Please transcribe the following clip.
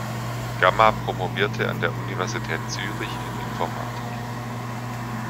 Gamma promovierte an der Universität Zürich in Informatik.